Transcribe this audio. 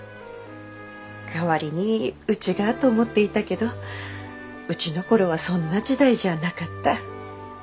代わりにうちがと思っていたけどうちの頃はそんな時代じゃなかった。